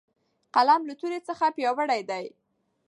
قلم له تورې څخه پیاوړی دی.